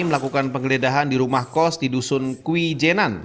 melakukan penggeledahan di rumah kos di dusun kui jenan